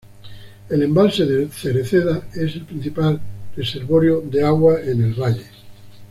El embalse de Cereceda es el principal reservorio de agua en el valle.